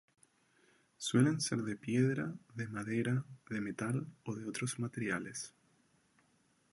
Suelen ser de piedra, de madera, de metal o de otros materiales.